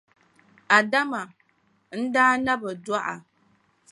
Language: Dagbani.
Adama, n daa na bi dɔɣi a.